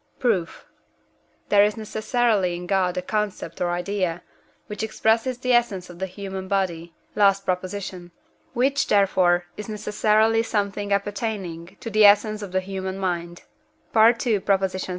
Proof. There is necessarily in God a concept or idea, which expresses the essence of the human body (last Prop.), which, therefore, is necessarily something appertaining to the essence of the human mind (II. xiii.).